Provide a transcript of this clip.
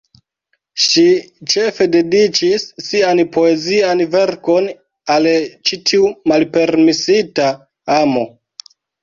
Ŝi ĉefe dediĉis sian poezian verkon al ĉi tiu malpermesita amo.